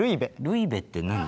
ルイベって何？